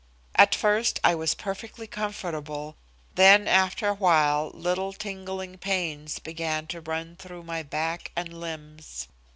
At first I was perfectly comfortable, then after a while little tingling pains began to run through my back and limbs.